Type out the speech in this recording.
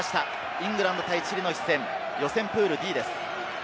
イングランド対チリの一戦、予選プールＤです。